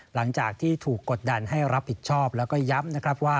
หลังจากที่ถูกกดดันให้รับผิดชอบแล้วก็ย้ำนะครับว่า